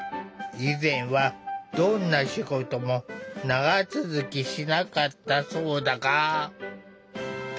以前はどんな仕事も長続きしなかったそうだが。